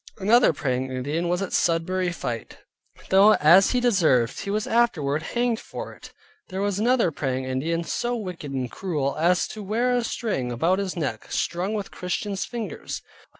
Another Praying Indian was at Sudbury fight, though, as he deserved, he was afterward hanged for it. There was another Praying Indian, so wicked and cruel, as to wear a string about his neck, strung with Christians' fingers.